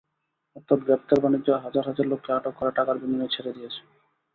অর্থাৎ গ্রেপ্তার-বাণিজ্য, হাজার হাজার লোককে আটক করে টাকার বিনিময়ে ছেড়ে দিয়েছে।